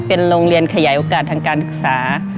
เป็นโรงเรียนขยายโอกาสทางการศึกษา